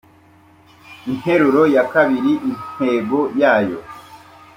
interuro ya kabiri intego yayo